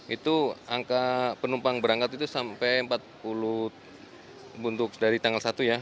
itu angka penumpang berangkat itu sampai empat puluh untuk dari tanggal satu ya